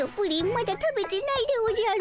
まだ食べてないでおじゃる。